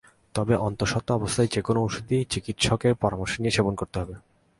তবে অন্তঃস্বত্ত্বা অবস্থায় যেকোনো ওষুধই চিকিৎসকের পরামর্শ নিয়ে সেবন করতে হবে।